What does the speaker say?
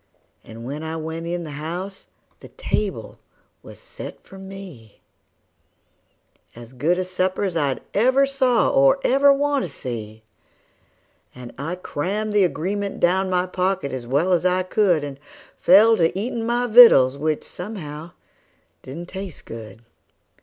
And when I went in the house the table was set for me As good a supper's I ever saw, or ever want to see; And I crammed the agreement down my pocket as well as I could, And fell to eatin' my victuals, which somehow didn't taste good.